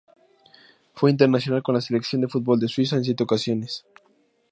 Fue internacional con la Selección de fútbol de Suiza en siete ocasiones.